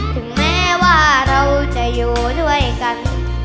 ถึงแม้ว่าเราจะอยู่ด้วยกัน